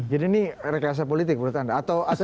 jadi ini rekelasa politik menurut anda atau setting gitu